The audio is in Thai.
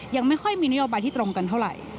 ยังไม่ค่อยมีนโยบายที่ตรงกันเท่าไหร่